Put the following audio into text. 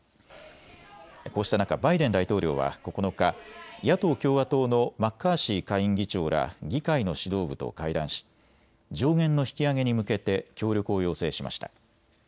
こうした中、バイデン大統領は９日、野党・共和党のマッカーシー下院議長ら議会の指導部と会談し上限の引き上げに向けて協力を要請しました。